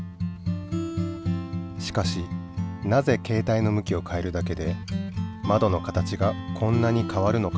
しかしなぜけい帯の向きを変えるだけでまどの形がこんなに変わるのか？